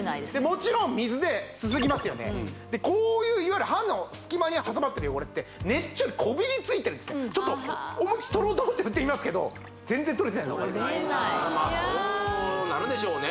もちろん水ですすぎますよねでこういう歯の隙間に挟まってる汚れってねっちょりこびりついてるんですねちょっと思いっきり取ろうと思って振ってみますけど全然取れてないの分かります・取れないそうなるでしょうね